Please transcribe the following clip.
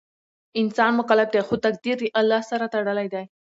انسان مکلف دی خو تقدیر له الله سره تړلی دی.